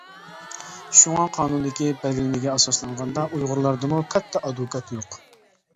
شۇڭا قانۇندىكى بەلگىلىمىگە ئاساسلانغاندا ئۇيغۇرلاردىمۇ «كاتتا ئادۋوكات» يوق.